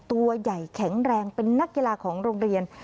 ตัวใหญ่แข็งแรงเป็นนักกีฬาของโรงเรียน